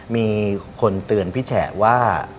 มีคนเตือนพี่แฉะว่า